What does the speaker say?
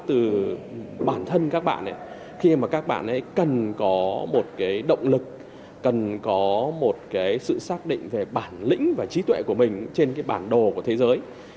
từ bản thân các bạn ấy khi mà các bạn ấy cần có một cái động lực cần có một cái sự xác định về bản lĩnh và trí tuệ của mình trên cái bản đồ của thế giới